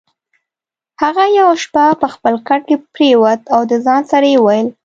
هغه یوه شپه په خپل کټ کې پرېوت او د ځان سره یې وویل: